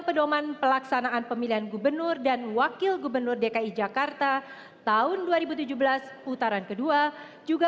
pedoman pelaksanaan pemilihan gubernur dan wakil gubernur dki jakarta tahun dua ribu tujuh belas putaran kedua juga